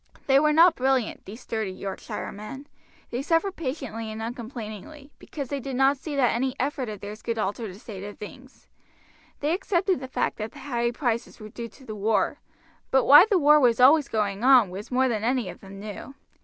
They were not brilliant, these sturdy Yorkshiremen. They suffered patiently and uncomplainingly, because they did not see that any effort of theirs could alter the state of things. They accepted the fact that the high prices were due to the war, but why the war was always going on was more than any of them knew.